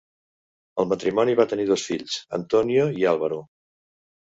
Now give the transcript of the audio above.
El matrimoni va tenir dos fills, Antonio i Álvaro.